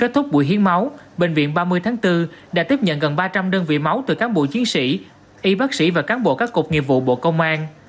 kết thúc buổi hiến máu bệnh viện ba mươi tháng bốn đã tiếp nhận gần ba trăm linh đơn vị máu từ cán bộ chiến sĩ y bác sĩ và cán bộ các cục nghiệp vụ bộ công an